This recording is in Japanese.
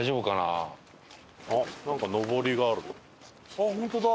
あっホントだ。